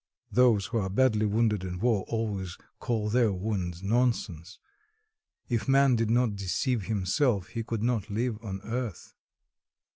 (Those who are badly wounded in war always call their wounds "nonsense." If man did not deceive himself, he could not live on earth.)